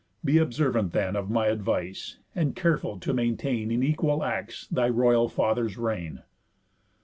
Be observant then Of my advice, and careful to maintain In equal acts thy royal father's reign."